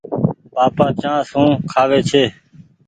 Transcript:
اي پآپآ چآنه سون کآوي ڇي۔